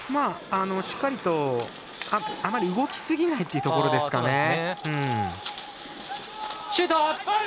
しっかりと、あまり動きすぎないというところですね。